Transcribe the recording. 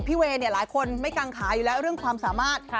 เวย์เนี่ยหลายคนไม่กังขาอยู่แล้วเรื่องความสามารถ